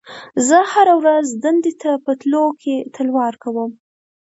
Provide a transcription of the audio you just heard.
زه هره ورځ دندې ته په تللو کې تلوار کوم.